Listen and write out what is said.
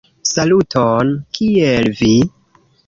Saluton kiel vi?